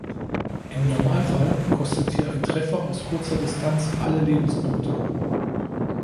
Im Normalfall kostet hier ein Treffer aus kurzer Distanz alle Lebenspunkte.